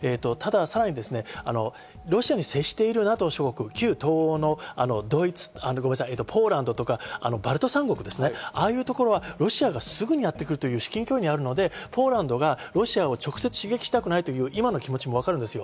ただ、さらにロシアに接しているＮＡＴＯ諸国、旧東欧のポーランドとかバルト３国、ああいうところはロシアがすぐにやってくるという至近距離にあるので、ポーランドがロシアを直接刺激したくないという今の気持ちもわかる。